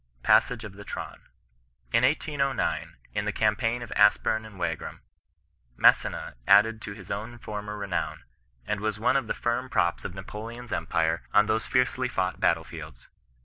PASSAGE OF THE TEAITN. "In 1809, in the campaign of Aspem and Wagram: Massena added to his former renown, and was one of the firm props of Napoleon's empire on those fiercely fought battle fields.